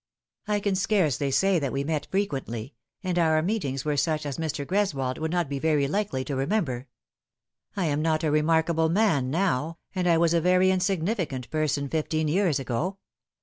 " I can scarcely say that we met frequently, and our meet ings were such as Mr. Greswold would not be very likely to remember. I am not a remarkable man now, and I was a very insignificant person fifteen years ago.